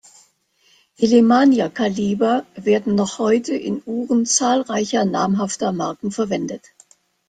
Die Lemania-Kaliber werden noch heute in Uhren zahlreicher namhafter Marken verwendet.